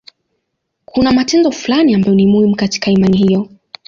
Kuna matendo fulani ambayo ni muhimu katika imani hiyo.